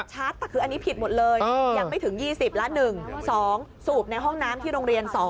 ชัดแต่คืออันนี้ผิดหมดเลยยังไม่ถึง๒๐ละ๑๒สูบในห้องน้ำที่โรงเรียน๒